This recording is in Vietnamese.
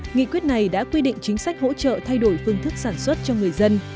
nghị quyết này đã quy định chính sách hỗ trợ thay đổi phương thức sản xuất cho người dân